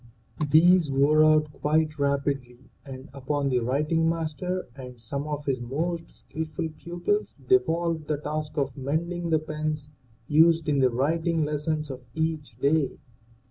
These wore out quite rapidly and upon the writing master and some of his most skillful pupils devolved the task of mending the pens used in the writing lessons of each day.